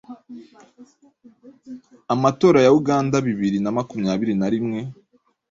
amatora ya uganda bibiri namakumyabiri narimwe